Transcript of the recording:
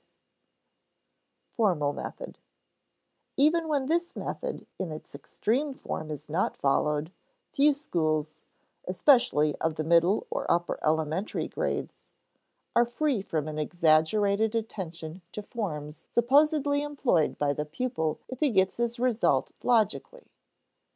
[Sidenote: Formal method] Even when this method in its extreme form is not followed, few schools (especially of the middle or upper elementary grades) are free from an exaggerated attention to forms supposedly employed by the pupil if he gets his result logically.